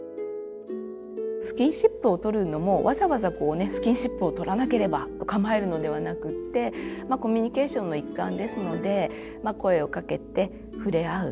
スキンシップを取るのもわざわざスキンシップを取らなければと構えるのではなくってコミュニケーションの一環ですので声をかけて触れ合う。